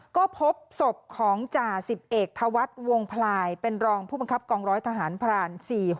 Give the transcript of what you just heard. ก็พบศพของจ่าสิบเอกธวัฒน์วงพลายเป็นรองผู้บังคับกองร้อยทหารพราน๔๖